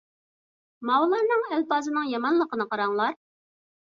ماۋۇلارنىڭ ئەلپازىنىڭ يامانلىقىنى قاراڭلار.